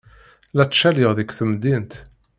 La ttcaliɣ deg temdint.